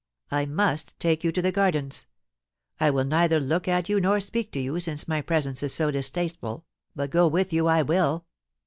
I must take you to the Gardens. I will neither look at you nor speak to you, since my presence is so distasteful, but go with you I will.'